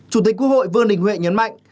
chủ tịch quốc hội vương đình huệ nhấn mạnh